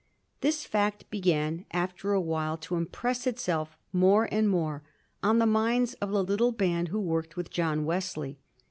This fact began after a while to impress itself more and more on the minds of the little band who worked with John Wesley.